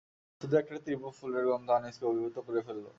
শুধু একটা তীব্র ফুলের গন্ধ আনিসকে অভিভুত করে ফেলল।